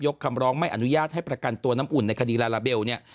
คำร้องไม่อนุญาตให้ประกันตัวน้ำอุ่นในคดีลาลาเบลเนี่ย